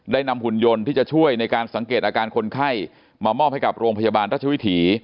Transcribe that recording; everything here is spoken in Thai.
นำหุ่นยนต์ที่จะช่วยในการสังเกตอาการคนไข้มามอบให้กับโรงพยาบาลรัชวิถี